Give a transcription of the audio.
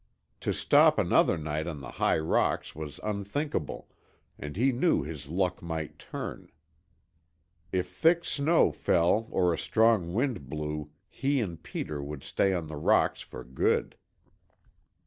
To stop another night on the high rocks was unthinkable and he knew his luck might turn. If thick snow fell or a strong wind blew, he and Peter would stay on the rocks for good.